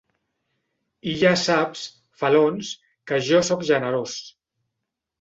I ja saps, Felons, que jo sóc generós.